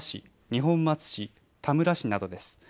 二本松市田村市などです。